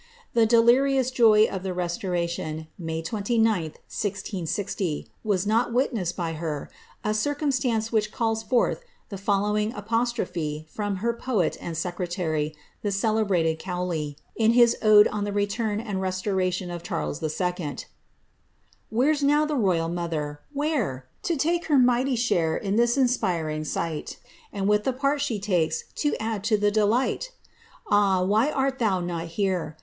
The delirious joy of the Restoration, May 29, 1660, was not witne«ed by her, a circumstance which called forth the following apostrophe from her poet and secretary, the celebrated Cowley, in his ode on ^e retun and restoration of Charles II. " Wlicre's now the royid raother^ wbere 1 To take ber mighty share In this inspiring sight. And with the part the takes, to add to the delight I Ah, whj art thou not here